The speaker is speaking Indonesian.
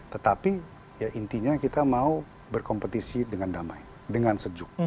tetapi ya intinya kita mau berkompetisi dengan damai dengan sejuk